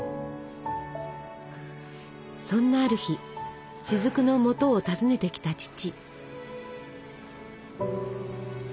そんなある日雫のもとを訪ねてきた父。